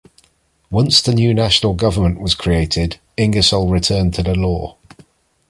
Once the new national government was created, Ingersoll returned to the law.